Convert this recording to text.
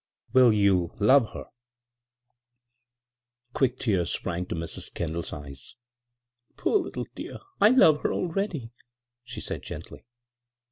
Will you — love her?" Quick tears sprang to Mrs. Kendall's eyes. " Poor little dear I I love her already," she said gently.